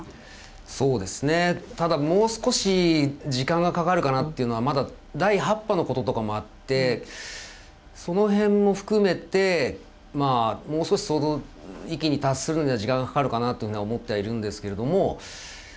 ただ、もう少し時間がかかるかなというのはまだ、第８波のこととかもあってその辺も含めてもう少しその域に達するのは時間がかかるかなと思っているんですけど。